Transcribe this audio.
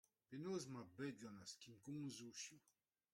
Penaos ʼmañ ar bed gant ar skingomzoù hiziv ?